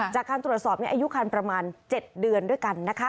จากการตรวจสอบนี้อายุคันประมาณ๗เดือนด้วยกันนะคะ